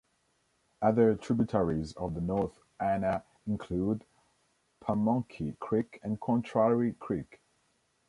Other tributaries of the North Anna include Pamunkey Creek and Contrary Creek.